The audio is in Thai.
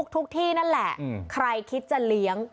ที่นั่นแหละใครคิดจะเลี้ยง